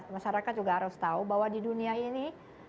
masyarakat juga harus tahu bahwa di dunia ini